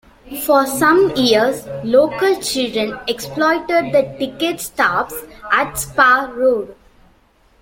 For some years local children exploited the ticket stops at Spa Road.